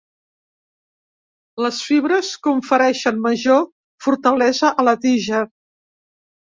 Les fibres confereixen major fortalesa a la tija.